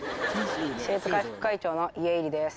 生徒会副会長の家入です。